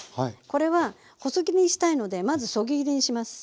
これは細切りにしたいのでまずそぎ切りにします。